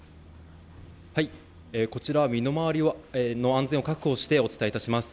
こちらは身の回りの安全を確保してお伝えいたします。